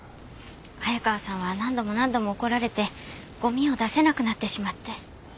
早川さんは何度も何度も怒られてゴミを出せなくなってしまって。